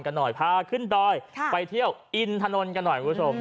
พาขึ้นดอยไปเที่ยวอินถนนกันหน่อยคุณผู้ชม